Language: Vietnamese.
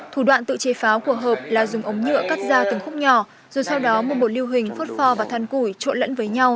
thủ đoạn tự chế pháo của hợp là dùng ống nhựa cắt ra từng khúc nhỏ rồi sau đó một bộ lưu hình phốt pho và thăn củi trộn lẫn với nhau